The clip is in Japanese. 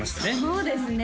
そうですね